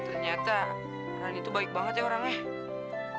ternyata itu baik banget ya orangnya